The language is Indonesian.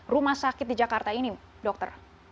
rumah sakit di jakarta ini dokter